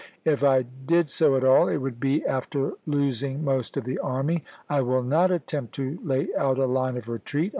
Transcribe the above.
If I did so at all, it would be after losing most of the army. I will not attempt to lay out a line of retreat.